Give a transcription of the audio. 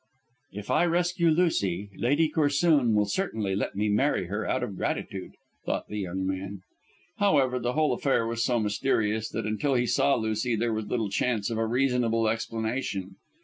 "If I rescue Lucy, Lady Corsoon will certainly let me marry her out of gratitude," thought the young man. However, the whole affair was so mysterious that until he saw Lucy there was little chance of a reasonable explanation.